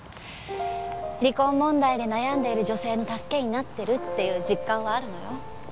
離婚問題で悩んでいる女性の助けになってるっていう実感はあるのよ。